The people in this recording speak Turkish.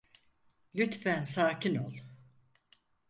Lütfen sakin ol.